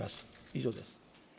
以上です。